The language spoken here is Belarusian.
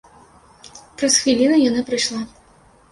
Праз хвіліну яна прыйшла.